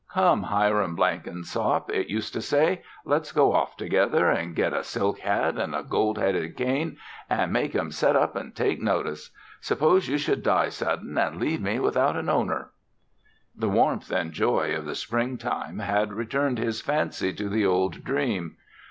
"Come, Hiram Blenkinsop," it used to say. "Let's go off together and get a silk hat and a gold headed cane an' make 'em set up an' take notice. Suppose you should die sudden an' leave me without an owner?" The warmth and joy of the springtime had turned his fancy to the old dream.